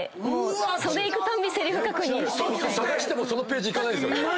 探してもそのページいかないですよね。